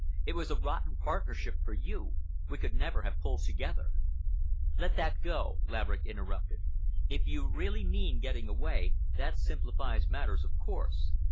It was a rotten partnership for you. We could never have pulled together." "Let that go," Laverick interrupted. "If you really mean getting away, that simplifies matters, of course.